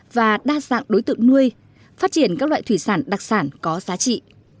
và đa dạng đối tượng nuôi phát triển các loại thủy sản đặc sản có giá trị